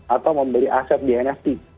atau membeli aset di nft